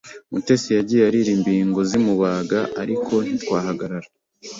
Mutesi yagiye arira imbingo zimubaga ariko ntitwahagarara